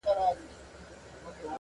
درې څلور يې وه غوايي په طبیله کي!.